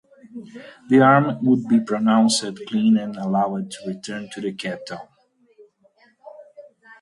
The army would be pronounced clean and allowed to return to the capital.